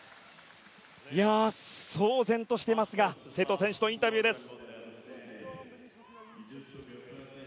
騒然としていますが瀬戸選手のインタビューです。